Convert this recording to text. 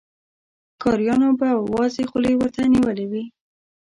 ښکاريانو به وازې خولې ورته نيولې وې.